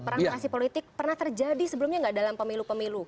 perang narasi politik pernah terjadi sebelumnya nggak dalam pemilu pemilu